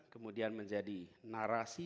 kemudian menjadi narasi